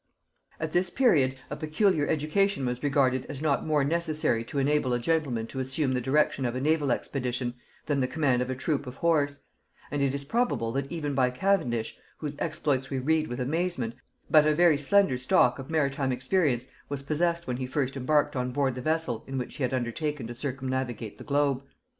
At this period, a peculiar education was regarded as not more necessary to enable a gentleman to assume the direction of a naval expedition than the command of a troop of horse; and it is probable that even by Cavendish, whose exploits we read with amazement, but a very slender stock of maritime experience was possessed when he first embarked on board the vessel in which he had undertaken to circumnavigate the globe.